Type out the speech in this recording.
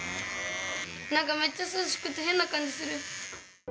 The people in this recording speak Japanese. なんかめっちゃ涼しくて、変な感じする。